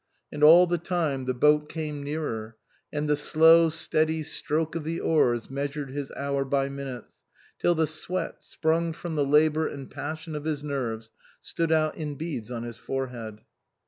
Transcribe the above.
And all the time the boat came nearer, and the slow, steady stroke of the oars measured his hour by minutes, till the sweat, sprung from the labour and passion of his nerves, stood out in beads on his forehead.